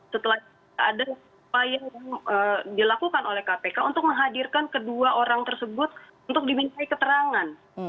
setelah ada upaya yang dilakukan oleh kpk untuk menghadirkan kedua orang tersebut untuk dimintai keterangan